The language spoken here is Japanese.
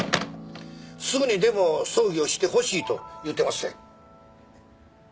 すぐにでも葬儀をしてほしいと言うてまっせ。